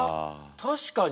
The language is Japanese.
確かに。